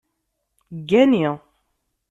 Ggani!